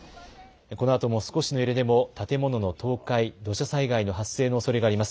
このあとも少しの揺れでも建物の倒壊、土砂災害の発生のおそれがあります。